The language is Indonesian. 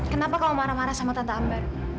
kenapa kamu marah marah sama tante amber